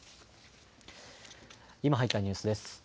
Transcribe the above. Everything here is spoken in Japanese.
今入ったニュースです。